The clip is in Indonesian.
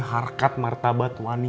harkat martabat wanita